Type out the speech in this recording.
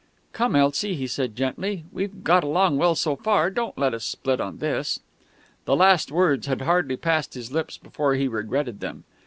"Come, Elsie," he said gently. "We've got along well so far; don't let us split on this." The last words had hardly passed his lips before he regretted them.